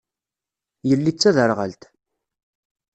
Yelli d taderɣalt.